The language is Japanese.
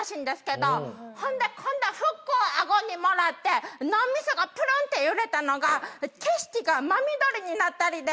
ほんで今度はフックを顎にもらって脳みそがプルンッて揺れたのが景色が真緑になったりで。